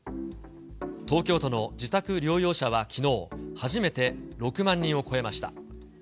東京都の自宅療養者はきのう、初めて６万人を超えました。